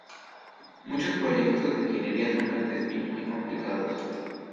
Muchos proyectos de ingeniería son grandes y muy complicados.